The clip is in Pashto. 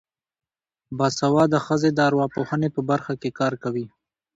باسواده ښځې د ارواپوهنې په برخه کې کار کوي.